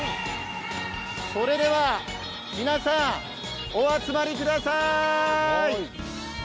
それでは皆さん、お集まりくださーい！